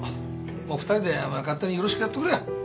もう２人で勝手によろしくやってくれ。